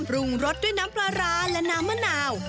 ปรุงรสด้วยน้ำปลาร้าและน้ำมะนาว